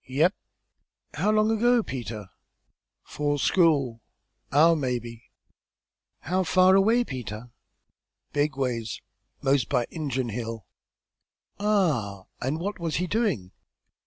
"Yep!" "How long ago, Peter?" "'Fore school hour, maybe." "How far away, Peter?" "Big ways. Most by Injun Hill." "Ah! and what was he doing?"